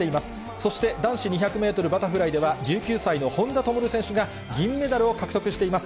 そして、男子２００メートルバタフライでは、１９歳の本多灯選手が銀メダルを獲得しています。